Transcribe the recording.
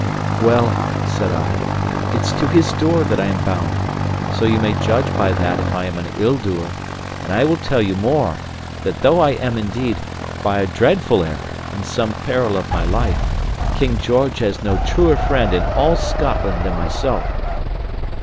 "Well," said I, "it's to his door that I am bound, so you may judge by that if I am an ill doer; and I will tell you more, that though I am indeed, by a dreadful error, in some peril of my life, King George has no truer friend in all Scotland than myself."